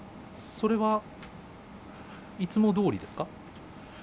それはいつもどおりですか？